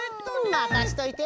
まかしといて！